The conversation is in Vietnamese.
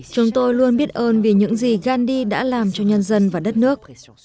chúng tôi luôn biết ơn vì những gì gandhi đã làm cho nhân dân và đất nước